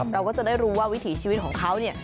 เราก็จะได้รู้ว่าวิถีชีวิตของเขาเนี่ย